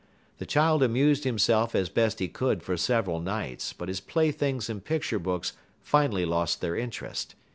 The child amused himself as best he could for several nights, but his play things and picture books finally lost their interest.